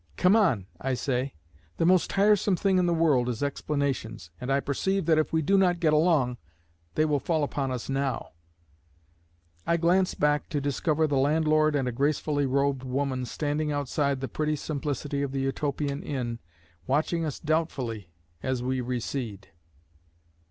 "Come on," I say. "The most tiresome thing in the world is explanations, and I perceive that if we do not get along, they will fall upon us now." I glance back to discover the landlord and a gracefully robed woman standing outside the pretty simplicity of the Utopian inn, watching us doubtfully as we recede.